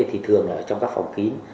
thì thường ở trong các phòng kín